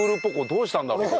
どうしたんだろうと。